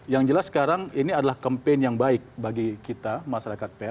yang jelas sekarang ini adalah campaign yang baik bagi kita masyarakat pr